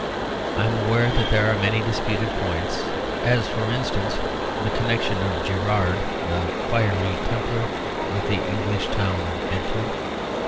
I am aware that there are many disputed points; as for instance the connection of Gerard, the fiery Templar, with the English town of Bideford.